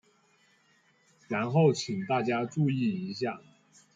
然後請大家注意一下